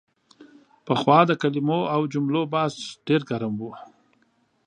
پخوا د کلمو او جملو بحث ډېر ګرم و.